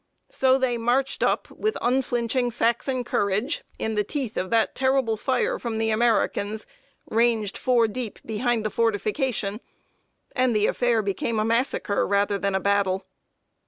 So they marched up, with unflinching Saxon courage, in the teeth of that terrible fire from the Americans, ranged four deep, behind the fortification; and the affair became a massacre rather than a battle.